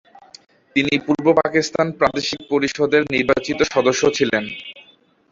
তিনি পূর্ব পাকিস্তান প্রাদেশিক পরিষদের নির্বাচিত সদস্য ছিলেন।